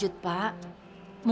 ada anak mu